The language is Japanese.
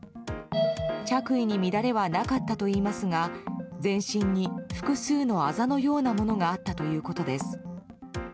着衣に乱れはなかったといいますが全身に複数のあざのようなものがあったということです。